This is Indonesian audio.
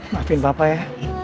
maafin bapak ya